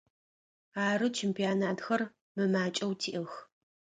Ары, чемпионхэр мымакӏэу тиӏэх.